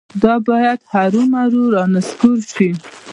دا باید هرومرو رانسکور شي.